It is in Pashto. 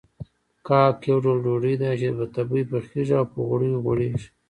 کاک يو ډول ډوډۍ ده چې په تبۍ پخېږي او په غوړيو غوړېږي.